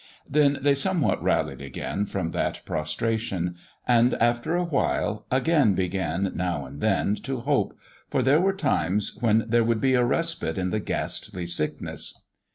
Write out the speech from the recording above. Then they somewhat rallied again from that prostration, and, after a while, again began now and then to hope, for there were times when there would be a respite in the ghastly sickness.